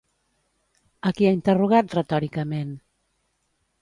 A qui ha interrogat, retòricament?